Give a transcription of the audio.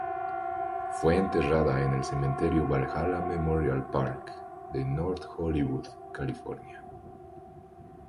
Fue enterrada en el cementerio Valhalla Memorial Park de North Hollywood, California.